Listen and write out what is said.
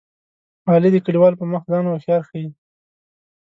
علي د کلیوالو په مخ ځان هوښیار ښيي.